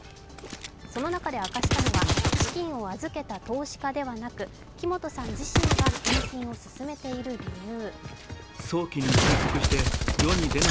その中で明かしたのは、資金を預けた投資家ではなく木本さん自身が返金を進めている理由。